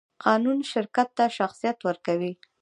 قانون شرکت ته شخصیت ورکوي.